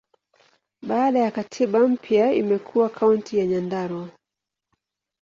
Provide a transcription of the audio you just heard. Baada ya katiba mpya, imekuwa Kaunti ya Nyandarua.